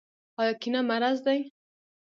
آیا کینه مرض دی؟